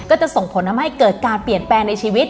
ก็จะส่งผลทำให้เกิดการเปลี่ยนแปลงในชีวิต